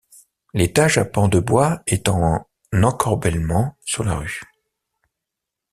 L'étage à pan de bois est en encorbellement sur la rue.